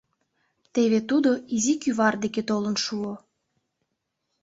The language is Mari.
Теве тудо изи кӱвар деке толын шуо.